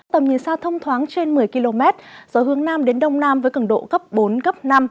tầm nhìn xa thông thoáng trên một mươi km gió hướng nam đến đông nam với cường độ cấp bốn cấp năm